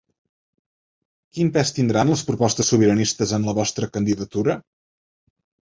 Quin pes tindran les propostes sobiranistes en la vostra candidatura?